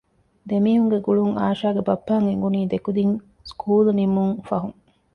ދެމީހުންގެ ގުޅުން އާޝާގެ ބައްޕައަށް އެނގުނީ ދެކުދިން ސްކޫލް ނިމުން ފަހުން